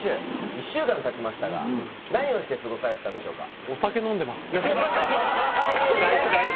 １週間たちましたが何をして過ごされてたんでしょうか？